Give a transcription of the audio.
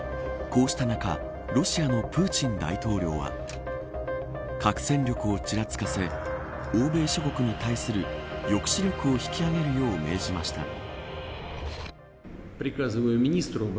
こうした中ロシアのプーチン大統領は核戦力をちらつかせ欧米諸国に対する抑止力を引き上げるよう命じました。